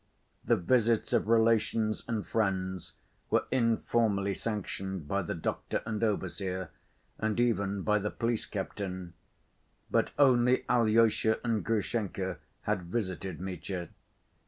The visits of relations and friends were informally sanctioned by the doctor and overseer, and even by the police captain. But only Alyosha and Grushenka had visited Mitya.